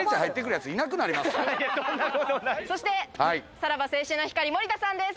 さらば青春の光・森田さんです。